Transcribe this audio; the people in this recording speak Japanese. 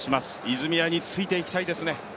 泉谷についていきたいですね。